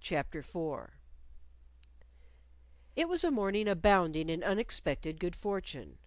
CHAPTER IV It was a morning abounding in unexpected good fortune.